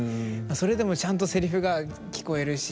それでもちゃんとセリフが聞こえるし。